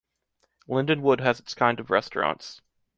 Lindenwood has its kind of restaurants.